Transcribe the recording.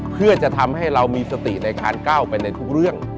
เพื่อจะทำให้เรามีสติในการก้าวไปในทุกเรื่อง